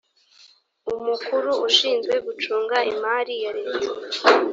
umukuru ushinzwe gucunga imari ya leta